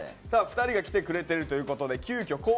さあ２人が来てくれてるということで急きょ